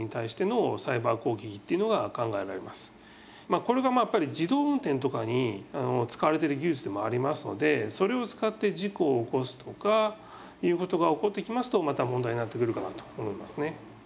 まあこれがやっぱり自動運転とかに使われてる技術でもありますのでそれを使って事故を起こすとかいうことが起こってきますとまた問題になってくるかなと思いますね。